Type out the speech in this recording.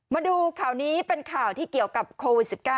มาดูข่าวนี้เป็นข่าวที่เกี่ยวกับโควิด๑๙